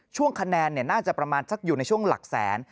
ช่วงคะแนนน่าจะประมาณสักอยู่ในช่วงหลักแสน